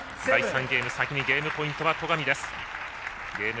第３ゲーム先にゲームポイントは戸上。